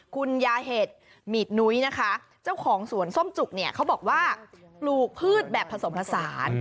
คุณยาเห็ดหมีดนุ้ยนะคะเจ้าของสวนส้มจุกเนี่ยเขาบอกว่าปลูกพืชแบบผสมผสาน